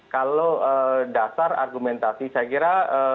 kalau dasar argumentasi saya kira